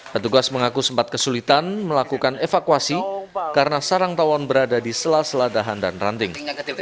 petugas mengaku sempat kesulitan melakukan evakuasi karena sarang tawon berada di selas ladahan dan ranting